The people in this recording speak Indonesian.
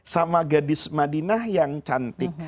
sama gadis madinah yang cantik